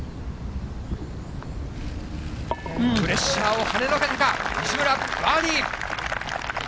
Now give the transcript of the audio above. プレッシャーをはねのけたか、西村、バーディー。